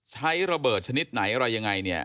ใช้ระเบิดชนิดไหนอะไรยังไงเนี่ย